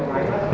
nói chung là